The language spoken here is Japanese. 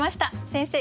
先生